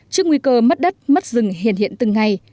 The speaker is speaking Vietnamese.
trước nguy cơ mất đất mất rừng hiền hiện từng ngày